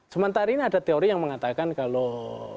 sementara ini ada teori yang mengatakan kalau